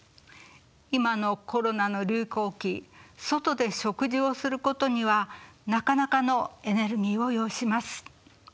今のコロナの流行期外で食事をすることにはなかなかのエネルギーを要します。